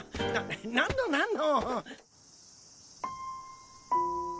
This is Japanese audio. なんのなんの。